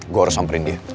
gue harus samperin dia